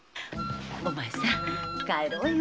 お前さん帰ろうよ。